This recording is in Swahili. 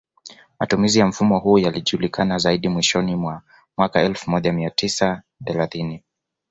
Matumizi ya mfumo huu yalijulikana zaidi mwishoni mwa mwaka elfu moja mia tisa thelathini